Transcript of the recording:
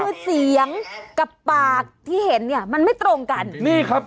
คือเสียงกับปากที่เห็นเนี่ยมันไม่ตรงกันนี่ครับ